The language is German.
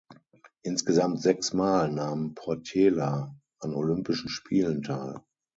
Insgesamt sechsmal nahm Portela an Olympischen Spielen teil.